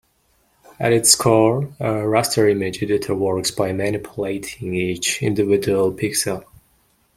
At its core, a raster image editor works by manipulating each individual pixel.